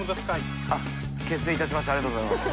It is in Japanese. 結成いたしましたありがとうございます。